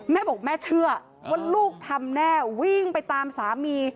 แม่บอกแม่เชื่อว่าลูกทำแน่วิ่งไปตามสามี